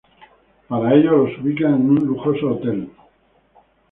Para ello, los ubican en un lujoso hotel.